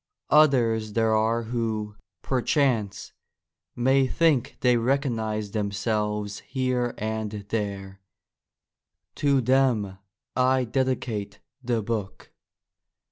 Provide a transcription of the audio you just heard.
Others there are who, perchance, may think they recognise themselves here and there : to them I dedicate the book.